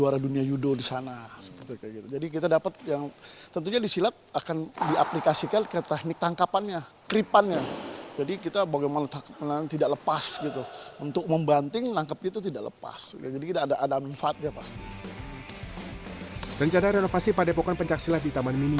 rencana renovasi padepokan pencak silat di taman mini